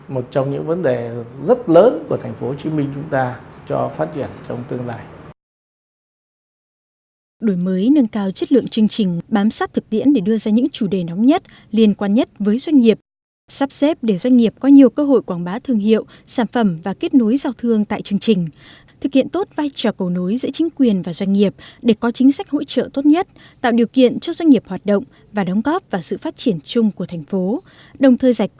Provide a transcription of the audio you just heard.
một trong những vấn đề rất lớn của thành phố hồ chí minh chúng ta cho phát triển trong tương đại